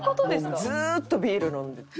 もうずっとビール飲んで。